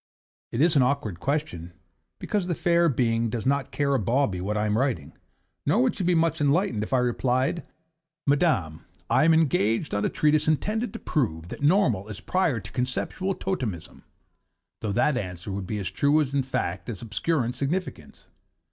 It is an awkward question, because the fair being does not care a bawbee what I am writing; nor would she be much enlightened if I replied 'Madam, I am engaged on a treatise intended to prove that Normal is prior to Conceptional Totemism' though that answer would be as true in fact as obscure in significance.